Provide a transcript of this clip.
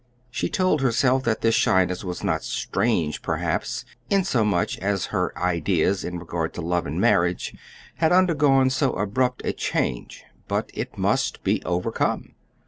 She told herself that this shyness was not strange, perhaps, inasmuch as her ideas in regard to love and marriage had undergone so abrupt a change; but it must be overcome.